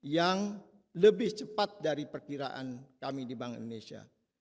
yang lebih cepat dari perkiraan kami di bank indonesia